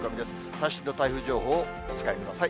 最新の台風情報をお使いください。